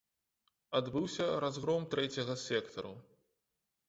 Адбыўся разгром трэцяга сектару.